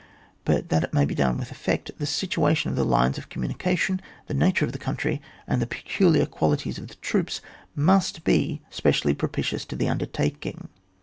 But that it may be done with effect, the situation of the lines of eommunicatiofiy the nature of the country^ and the peculiar qualities of the troops must be specially propitious to the under taking.